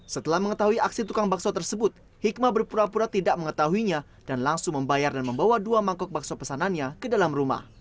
setelah mengetahui aksi tukang bakso tersebut hikmah berpura pura tidak mengetahuinya dan langsung membayar dan membawa dua mangkok bakso pesanannya ke dalam rumah